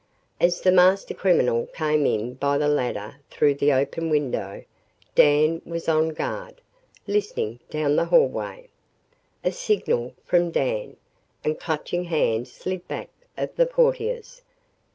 As the master criminal came in by the ladder through the open window, Dan was on guard, listening down the hallway. A signal from Dan, and Clutching Hand slid back of the portieres.